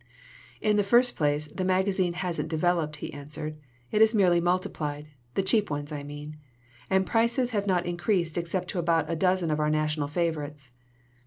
"In the first place, the magazine hasn't de veloped," he answered. "It has merely multi plied the cheap ones, I mean. And prices have not increased except to about a dozen of our national favorites.